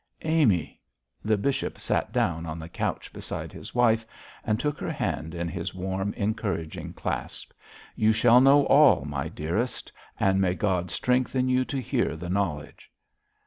'Amy!' The bishop sat down on the couch beside his wife, and took her hand in his warm, encouraging clasp. 'You shall know all, my dearest; and may God strengthen you to bear the knowledge.'